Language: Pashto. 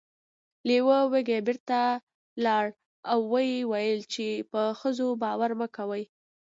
لیوه وږی بیرته لاړ او و یې ویل چې په ښځو باور مه کوئ.